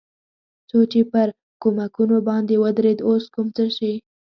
څو چې پر کومکونو باندې ودرېد، اوس کوم څه چې.